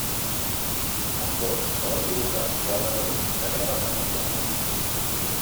Ambdós poden provocar quadres aguts de gravetat variable.